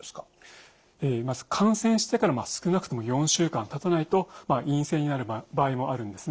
まず感染してから少なくとも４週間経たないと陰性になる場合もあるんですね。